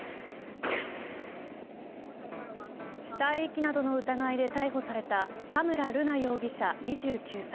死体遺棄などの疑いで逮捕された田村瑠奈容疑者、２９歳。